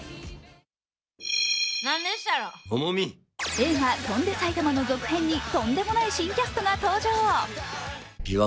映画「翔んで埼玉」の続編にとんでもない新キャストが登場。